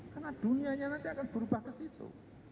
karena dunianya nanti akan berubah ke situ